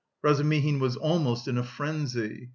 Razumihin was almost in a frenzy.